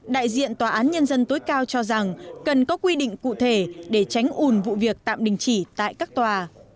đại diện tòa án nhân dân tối cao cho rằng cần có quy định cụ thể để tránh ùn vụ việc tạm đình chỉ tại các tòa